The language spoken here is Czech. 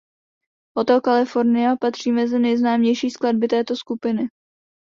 Hotel California patří mezi nejznámější skladby této skupiny.